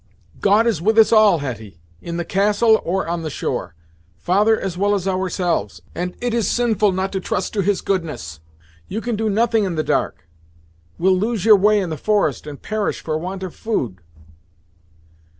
"God is with us all, Hetty in the castle, or on the shore father as well as ourselves, and it is sinful not to trust to his goodness. You can do nothing in the dark; will lose your way in the forest, and perish for want of food."